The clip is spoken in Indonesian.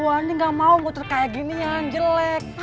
andi gak mau motor kayak gini yang jelek